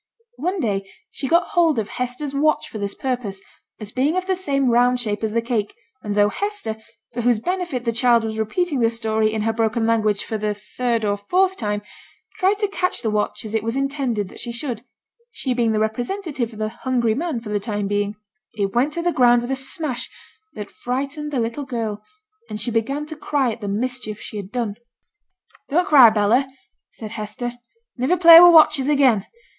One day she got hold of Hester's watch for this purpose, as being of the same round shape as the cake; and though Hester, for whose benefit the child was repeating the story in her broken language for the third or fourth time, tried to catch the watch as it was intended that she should (she being the representative of the 'hungry man' for the time being), it went to the ground with a smash that frightened the little girl, and she began to cry at the mischief she had done. 'Don't cry, Bella,' said Hester. 'Niver play with watches again.